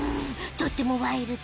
とってもワイルド！